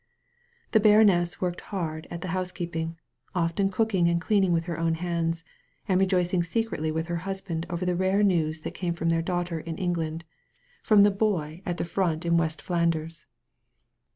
The baroness worked hard at the housekeeping, often cooking and cleaning with her own hands, and rejoicing secretly with her husband over the rare news that came from their daughter in England, from their boy at the 55 THE VALLEY OP VISION front in West Flanders.